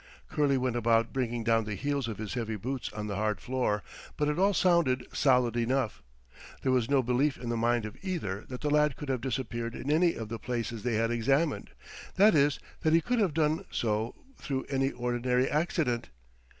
Curley went about bringing down the heels of his heavy boots on the hard floor, but it all sounded solid enough. There was no belief in the mind of either that the lad could have disappeared in any of the places they had examined that is, that he could have done so through any ordinary accident.